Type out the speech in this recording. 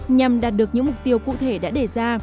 nhằm đạt được những mục tiêu cụ thể đã đề ra